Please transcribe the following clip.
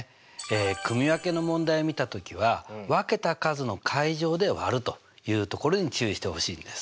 組分けの問題を見た時は分けた数の階乗で割るというところに注意してほしいんです。